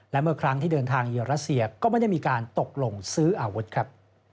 และเมื่อครั้งที่เดินทางเยอรัสเซียก็ไม่ได้มีการตกลงซื้ออาวุธครับ